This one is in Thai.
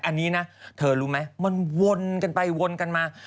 อันนี้นะเธอรู้ไหมมันวนกันไปวนกันมา